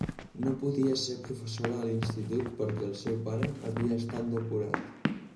No podia ser professora a l'institut perquè el seu pare havia estat depurat.